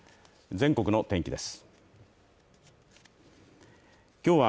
全国の天気です。